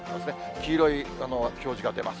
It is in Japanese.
黄色い表示が出ます。